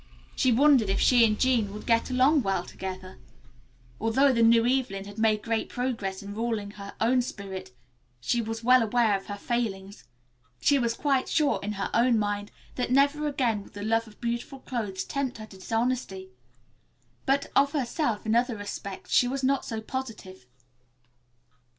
She wondered if she and Jean would get along well together. Although the new Evelyn had made great progress in ruling her own spirit she was well aware of her failings. She was quite sure, in her own mind, that never again would the love of beautiful clothes tempt her to dishonesty, but of herself, in other respects, she was not so positive.